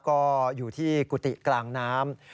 ก็อยู่ที่กุฏิกลางน้ำ